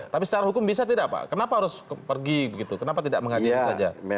tapi secara hukum bisa tidak pak kenapa harus pergi begitu kenapa tidak mengadia saja